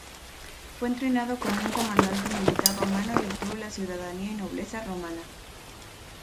Fue entrenado como un comandante militar romano y obtuvo la ciudadanía y nobleza romana.